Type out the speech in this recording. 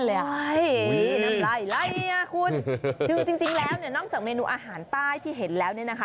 นี่น้ำไล่ไล่อ่ะคุณคือจริงแล้วเนี่ยนอกจากเมนูอาหารใต้ที่เห็นแล้วเนี่ยนะคะ